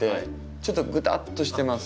ちょっとぐたっとしてます。